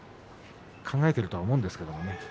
考えていると思うんですけれどもね。